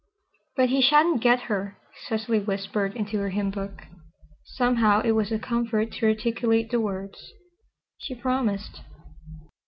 "But he sha'n't get her," Cecily whispered into her hymnbook. Somehow it was a comfort to articulate the words, "She promised."